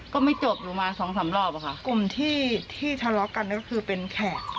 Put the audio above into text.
ก็ไม่จบอยู่มาสองสามรอบอะค่ะกลุ่มที่ที่ทะเลาะกันก็คือเป็นแขก